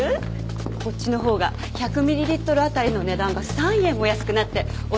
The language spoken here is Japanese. こっちの方が１００ミリリットル当たりの値段が３円も安くなってお得なんですよ。